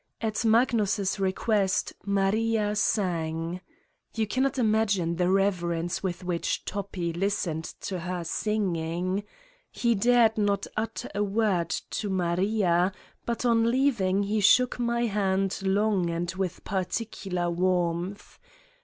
At Magnus ' re quest, Maria sang. You cannot imagine the rev 164 Satan's Diary erence with which Toppi listened to her singing! He dared not utter a word to Maria, but on leav ing he shook my hand long and with particular warmth.